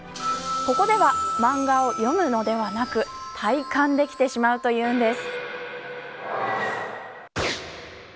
ここでは漫画を読むのではなく体感できてしまうというんです。